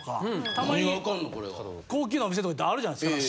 たまに高級なお店とか行ったらあるじゃないですか。